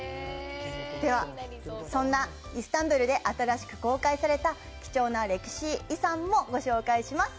では、そんなイスタンブルで新しく公開された貴重な歴史遺産もご紹介します。